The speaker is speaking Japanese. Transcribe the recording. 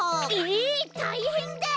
えったいへんだ！